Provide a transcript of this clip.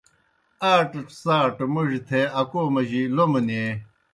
آٹہ څاٹہ موڙیْ تھے اکو مجیْ لومہ نیں۔